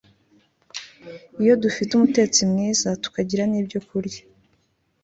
Iyo dufite umutetsi mwiza tukagira nibyokurya